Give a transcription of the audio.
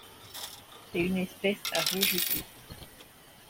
C'est une espèce à rejeter.